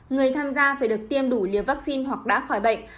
người tham gia phải được tiêm đủ liều vaccine hoặc đã khỏi bệnh